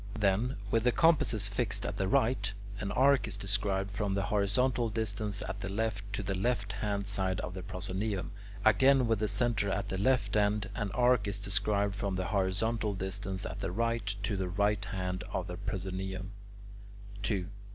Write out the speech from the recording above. Then, with the compasses fixed at the right, an arc is described from the horizontal distance at the left to the left hand side of the "proscaenium" (F, G); again with the centre at the left end, an arc is described from the horizontal distance at the right to the right hand side of the "proscaenium" (E, H).